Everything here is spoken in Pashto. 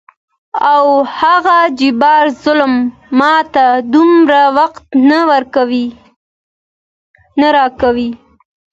او هغه جبار ظلم ماته دومره وخت نه راکوي.